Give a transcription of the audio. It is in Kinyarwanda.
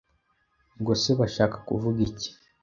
Ubwo se bashaka kuvuga